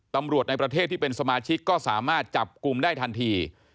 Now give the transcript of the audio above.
ในประเทศที่เป็นสมาชิกก็สามารถจับกลุ่มได้ทันที